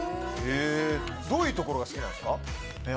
どういうところが好きなんですか？